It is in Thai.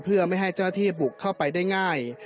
เพื่อไม่ให้เจ้าหน้าที่บุกเข้าไปได้ง่าย